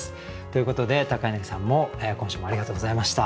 ということで柳さんも今週もありがとうございました。